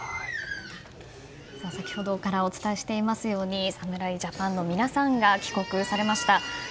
先ほどからお伝えしていますように皆さんが帰国されました。